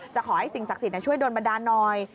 ขอให้สิ่งศักดิ์สิทธิ์ช่วยโดนบันดาลหน่อย